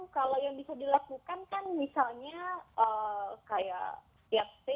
kalau yang bisa dilakukan kan misalnya kayak setiap state